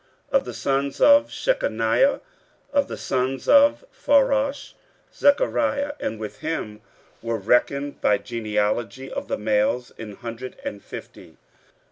15:008:003 Of the sons of Shechaniah, of the sons of Pharosh; Zechariah: and with him were reckoned by genealogy of the males an hundred and fifty.